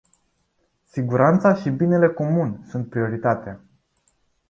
Siguranța și binele comun sunt prioritatea.